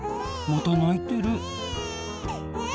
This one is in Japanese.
またないてる。